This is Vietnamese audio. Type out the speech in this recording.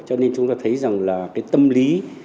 cho nên chúng ta thấy rằng là cái tâm lý